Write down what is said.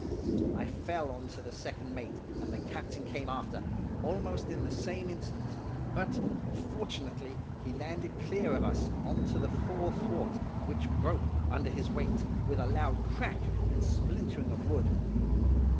I fell on to the second mate, and the captain came after, almost in the same instant, but, fortunately, he landed clear of us, on to the fore thwart, which broke under his weight, with a loud crack and splintering of wood.